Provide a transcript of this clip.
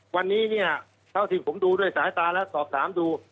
วันนี้เนี่ยเท่าที่ผมดูด้วยสายตาและสอบถามดู